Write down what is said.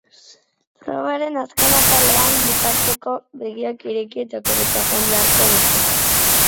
Probaren azken atalean, bukatzeko, begiak ireki eta korrika joan beharko dute.